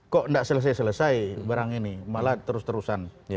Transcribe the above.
kok tidak selesai selesai barang ini malah terus terusan